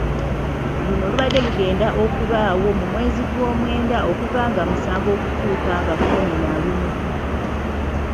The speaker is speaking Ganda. Luno lubadde lugenda okubaawo mu mwezi gw'omwenda okuva nga musanvu okutuuka nga kumi na lumu.